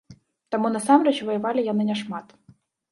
Таму насамрэч ваявалі яны няшмат.